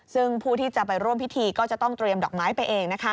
ซึ่งผู้ที่จะไปร่วมพิธีก็จะต้องเตรียมดอกไม้ไปเอง